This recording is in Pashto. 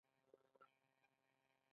د بریا اصلي لامل د ویرې له منځه وړل دي.